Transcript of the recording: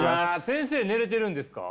先生寝れてるんですか？